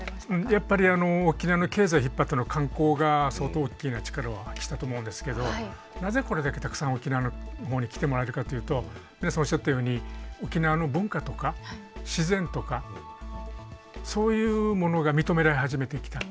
やっぱり沖縄の経済引っ張ったのは観光が相当大きな力を発揮したと思うんですけどなぜこれだけたくさん沖縄の方に来てもらえるかというと皆さんおっしゃったように沖縄の文化とか自然とかそういうものが認められ始めてきた。